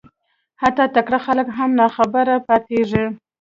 حتی تکړه خلک هم ناخبره پاتېږي